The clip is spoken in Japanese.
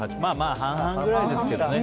半々くらいですけどね。